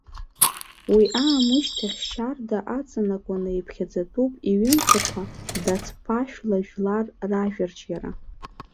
Уи аамышьҭахь шьарда аҵанакуаны иԥхьаӡатәуп иҩымҭақәа дац-ԥашәла жәлар ражәарҿиара.